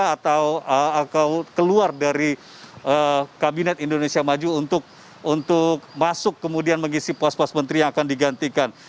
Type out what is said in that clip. atau keluar dari kabinet indonesia maju untuk masuk kemudian mengisi pos pos menteri yang akan digantikan